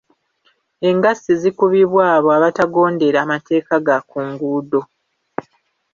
Engassi zikubibwa abao abatagondera mateeka ga ku nguudo.